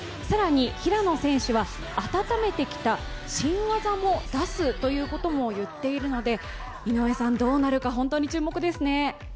更に平野選手は、温めてきた新技も出すということを言っているので井上さん、どうなるか本当に注目ですね。